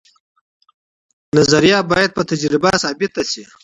نظریه باید په تجربه ثابته سي.